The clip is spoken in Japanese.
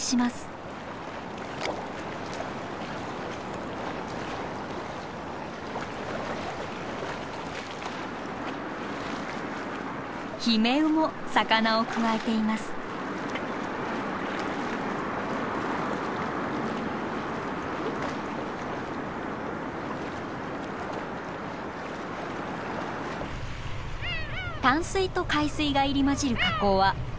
淡水と海水が入り混じる河口は魚の宝庫。